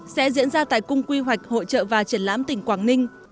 sẽ diễn ra tại cung quy hoạch hội trợ và triển lãm tỉnh quảng ninh